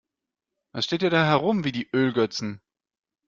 Was steht ihr da herum wie die Ölgötzen?